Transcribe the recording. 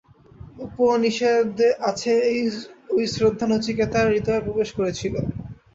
উপনিষদে আছে, ঐ শ্রদ্ধা নচিকেতার হৃদয়ে প্রবেশ করেছিল।